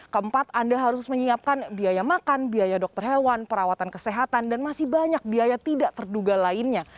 keempat anda harus menyiapkan biaya makan biaya dokter hewan perawatan kesehatan dan masih banyak biaya tidak terduga lainnya